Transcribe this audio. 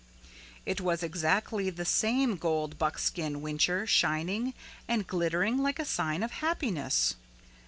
It was exactly the same gold buckskin whincher shining and glittering like a sign of happiness.